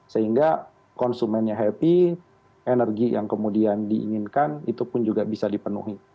sehingga konsumennya happy energi yang kemudian diinginkan itu pun juga bisa dipenuhi